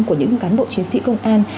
của những cán bộ chiến sĩ công an